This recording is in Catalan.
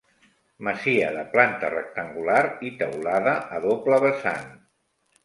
Masia de planta rectangular i teulada a doble vessant.